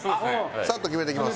サッと決めてきます。